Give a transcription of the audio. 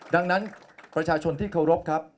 ดังนั้นประชาชนที่เคารพครับ